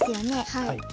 はい。